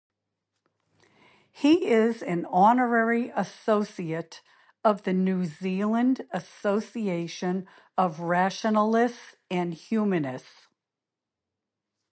He is an Honorary Associate of the New Zealand Association of Rationalists and Humanists.